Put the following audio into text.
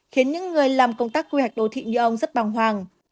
khiến những người làm công tác quy hạch đô thị như ông rất băng hoàng